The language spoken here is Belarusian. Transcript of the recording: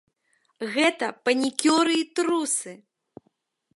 Гэта панікёры і трусы!